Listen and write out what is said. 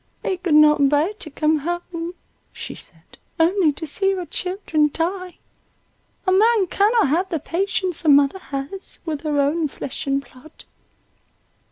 "He could not bear to come home," she said, "only to see our children die. A man cannot have the patience a mother has, with her own flesh and blood."